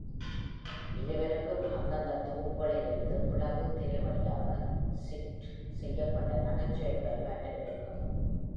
இருவருக்கும் அந்தந்த தொகுப்புகளிலிருந்து பிளவு-திரை வழியாக ஸ்கிரிப்ட் செய்யப்பட்ட நகைச்சுவை பரிமாற்றம் இருக்கும்.